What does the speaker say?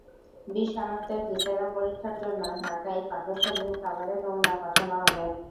বিষ শনাক্তে ভিসেরা পরীক্ষার জন্য ঢাকায় পাকস্থলীর খাবারের নমুনা পাঠানো হবে।